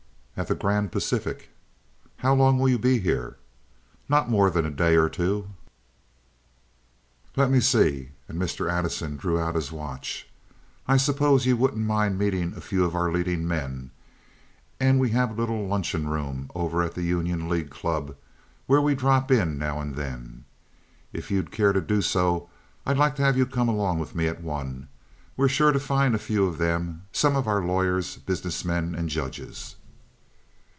"At the Grand Pacific." "How long will you be here?" "Not more than a day or two." "Let me see," and Mr. Addison drew out his watch. "I suppose you wouldn't mind meeting a few of our leading men—and we have a little luncheon room over at the Union League Club where we drop in now and then. If you'd care to do so, I'd like to have you come along with me at one. We're sure to find a few of them—some of our lawyers, business men, and judges."